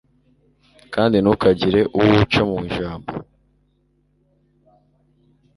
kandi ntukagire uwo uca mu ijambo